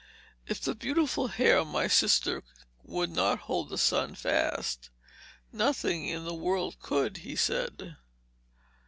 "If the beautiful hair of my sister would not hold the sun fast, nothing in the world could," he said.